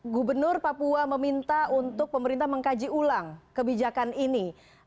gubernur papua meminta untuk pemerintah mengkaji ulang kebijakan ini